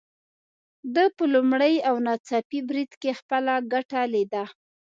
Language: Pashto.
ده په لومړي او ناڅاپي بريد کې خپله ګټه ليده.